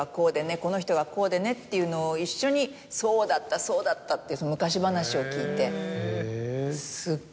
この人がこうでね」っていうのを一緒に「そうだったそうだった」っていう。